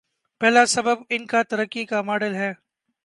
پہلا سبب ان کا ترقی کاماڈل ہے۔